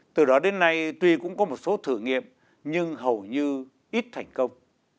từ đó đến nay tuy cũng có một số thử nghiệm nhưng hầu như ít thành công